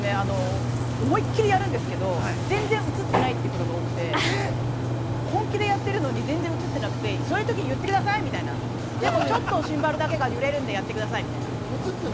思いきりやるんですけど、全然映ってないってことが多くて、本気でやってるのに全然映ってなくて、そういう時、言ってくださいみたいな、ちょっとシンバルだけが揺れるんでやってくださいみたいな。